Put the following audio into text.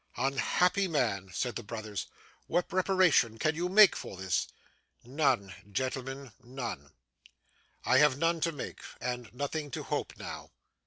'Unhappy man!' said the brothers. 'What reparation can you make for this?' 'None, gentlemen, none! I have none to make, and nothing to hope now.